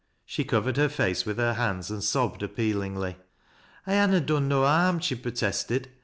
She co^ ered her face with her hands, and sobbed appealingly. " I ha' na done no harm," she protested.